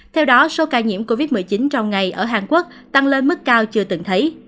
theo đó số ca nhiễm covid một mươi chín trong ngày ở hàn quốc tăng lên mức cao chưa từng thấy